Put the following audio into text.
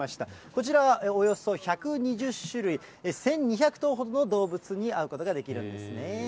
こちらはおよそ１２０種類、１２００頭ほどの動物に会うことができるんですね。